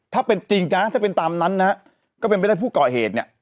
ถ้าเป็นจริงนะถ้าเป็นตามนั้นนะฮะก็เป็นไปได้ผู้ก่อเหตุเนี่ย